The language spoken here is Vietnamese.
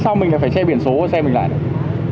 sao mình lại phải che biển số của xe mình lại được